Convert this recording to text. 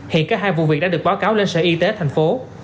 hiện cả hai vụ việc đã được báo cáo lên sở y tế tp hcm